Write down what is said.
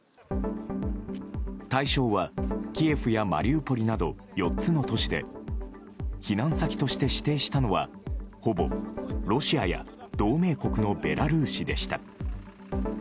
対象はキエフやマリウポリなど４つの都市で避難先として指定したのはほぼ、ロシアや同盟国のベラルーシでした。